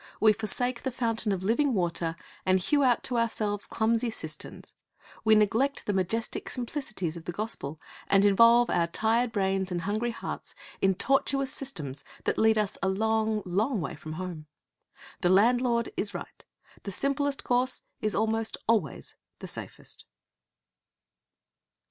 We forsake the fountain of living water, and hew out to ourselves clumsy cisterns. We neglect the majestic simplicities of the gospel, and involve our tired brains and hungry hearts in tortuous systems that lead us a long, long way from home. The landlord is right. The simplest course is almost always the safest.